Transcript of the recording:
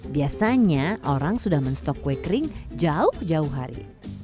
biasanya orang sudah men stok kue kering jauh jauh hari